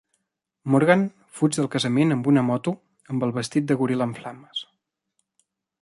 Morgan fuig del casament amb una moto amb el vestit de goril·la en flames.